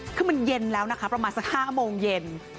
คือมันเย็นแล้วนะคะประมาณสัก๕โมงเย็น